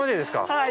はい。